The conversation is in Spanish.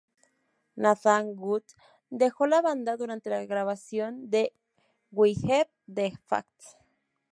Nathan Good dejó la banda durante la grabación de "We Have the Facts".